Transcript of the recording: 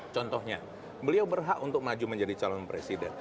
contohnya beliau berhak untuk maju menjadi calon presiden